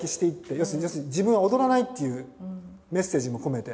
要するに自分は踊らないっていうメッセージも込めて。